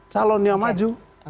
calon yang maju